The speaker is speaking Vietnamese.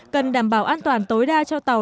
cần đảm bảo an toàn tối đa cho tàu